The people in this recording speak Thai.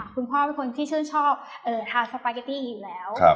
คุณพ่อเป็นคนที่ชื่นชอบทานสปาเกตตี้อยู่แล้ว